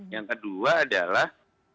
yang kedua adalah